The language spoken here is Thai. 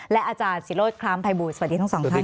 และอาจารย์ศิโรธคลามไพบุทธสวัสดีทั้งสองท่าน